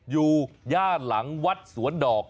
อยู่ย่าหลังวัดสวนดอก